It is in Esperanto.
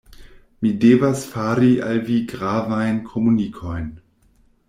Mi devas fari al vi gravajn komunikojn.